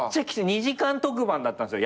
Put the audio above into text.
２時間特番だったんですよ